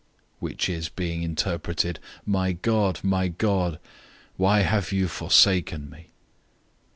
which is, being interpreted, "My God, my God, why have you forsaken me?"